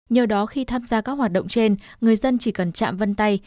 nhờ đó khi tham gia các hoạt động trên người dân chỉ cần chạm vân tay